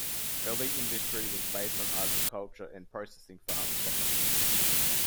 Early industry was based on agriculture and processing farm products.